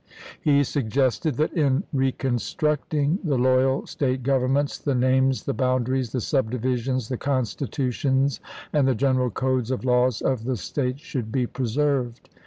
He suggested that in recon structing the loyal State governments, the names, the boundaries, the subdivisions, the constitutions, and the general codes of laws of the States should be preserved.